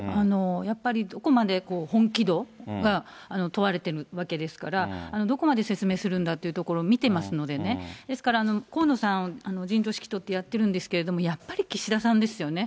やっぱりどこまで本気度が問われているわけですから、どこまで説明するんだってところを見てますのでね、ですから、河野さん、陣頭指揮執ってやってるんですけれども、やっぱり岸田さんですよね。